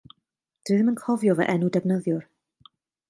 Dw i ddim yn cofio fy enw defnyddiwr.